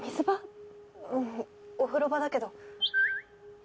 うんお風呂場だけど。